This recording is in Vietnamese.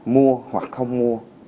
mua hoặc không mua